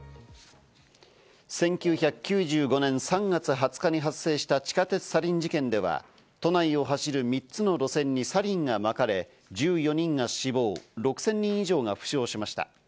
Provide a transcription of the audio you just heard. １９９５年３月２０日に発生した地下鉄サリン事件では都内を走る３つの路線にサリンがまかれ、１４人が死亡、６０００人以上が負傷しました。